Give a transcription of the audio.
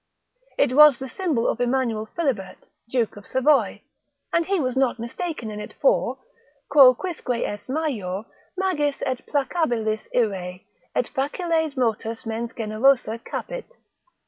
It was the symbol of Emanuel Philibert, Duke of Savoy, and he was not mistaken in it, for Quo quisque est major, magis est placabilis irae, Et faciles motus mens generosa capit.